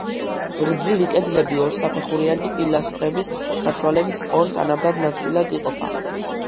გრძივი კედლები ორსაფეხურიანი პილასტრების საშუალებით ორ თანაბარ ნაწილად იყოფა.